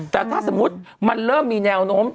แต่ถ้าสมมุติมันเริ่มมีแนวโน้ม